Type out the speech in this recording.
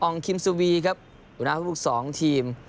องค์คิมซูวีครับอยู่หน้าพวก๒ทีม